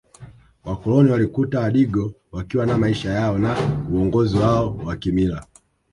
Wakoloni walikuta Wadigo wakiwa na maisha yao na uongozi wao wa kimila